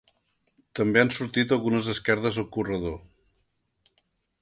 També han sorgit algunes esquerdes al corredor.